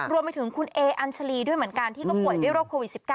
รวมไปถึงคุณเออัญชาลีด้วยเหมือนกันที่ก็ป่วยด้วยโรคโควิด๑๙